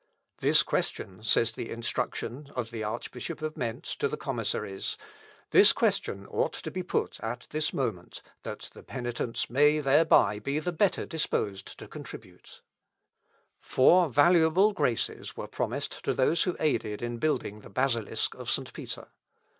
"This question," says the Instruction of the Archbishop of Mentz to the commissaries; "this question ought to be put at this moment, that the penitents may thereby be the better disposed to contribute." Instruction, etc., 5, 69. Four valuable graces were promised to those who aided in building the basilisk of St. Peter.